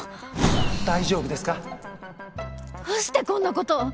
どうしてこんなことを？